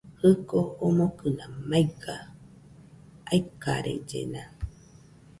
Jɨko omokɨna maiga, aikarellena